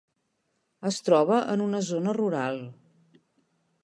Es troba en una zona rural.